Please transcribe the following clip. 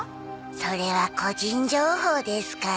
それは個人情報ですから。